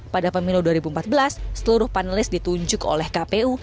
pada pemilu dua ribu empat belas seluruh panelis ditunjuk oleh kpu